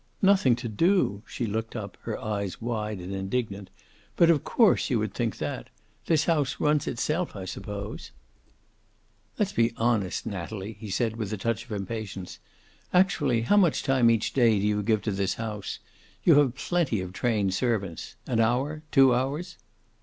"Nothing to do," she looked up, her eyes wide and indignant. "But of course you would think that. This house runs itself, I suppose." "Let's be honest, Natalie," he said, with a touch of impatience. "Actually how much time each day do you give this house? You have plenty of trained servants. An hour? Two hours?"